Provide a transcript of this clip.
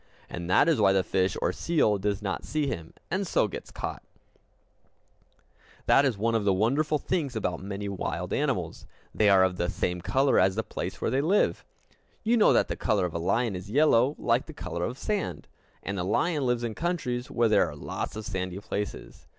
And that is why the fish or the seal does not see him, and so gets caught. [Illustration: Polar Bear] That is one of the wonderful things about many wild animals they are of the same color as the place where they live. You know that the color of a lion is yellow, like the color of sand; and the lion lives in countries where there are lots of sandy places.